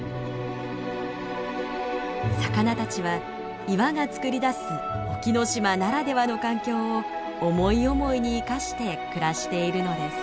魚たちは岩が作り出す沖ノ島ならではの環境を思い思いに生かして暮らしているのです。